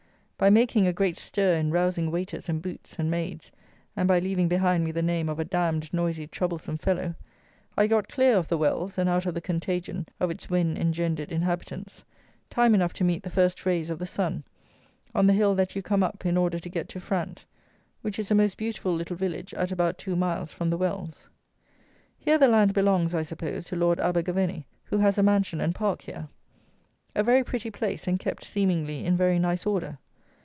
By making a great stir in rousing waiters and "boots" and maids, and by leaving behind me the name of "a d d noisy, troublesome fellow," I got clear of "the Wells," and out of the contagion of its Wen engendered inhabitants, time enough to meet the first rays of the sun, on the hill that you come up in order to get to Frant, which is a most beautiful little village at about two miles from "the Wells." Here the land belongs, I suppose, to Lord Abergavenny, who has a mansion and park here. A very pretty place, and kept, seemingly, in very nice order.